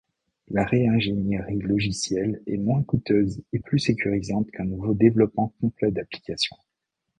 La réingénierie logicielle est moins couteuse et plus sécurisante qu'un nouveau développement complet d'application.